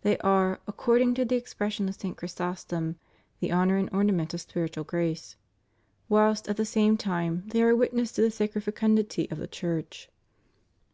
They are, according to the expression of St. Chrysostom, "the honor and ornament of spiritual grace," whilst, at the same time, they are witnesses to the sacred fecundity of the Church.